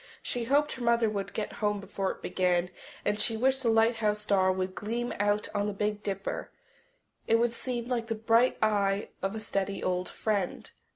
She hoped her mother would get home before it began, and she wished the lighthouse star would gleam out on the Big Dipper. It would seem like the bright eye of a steady old friend.